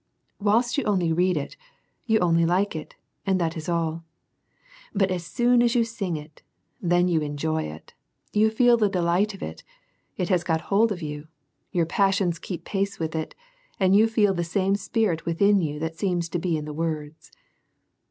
Whilst you only read it, you only like it, and that is all; but soon as you sing it, then you enjoy it, you feel the delight of it, it has got hold of you, your passions keep pace with it, and you feel the same spirit within you that there seems to be in the words.